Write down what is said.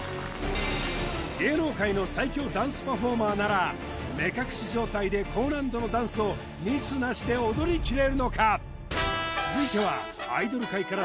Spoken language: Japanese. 芸能界の最強ダンスパフォーマーなら目隠し状態で高難度のダンスをミスなしで踊りきれるのか？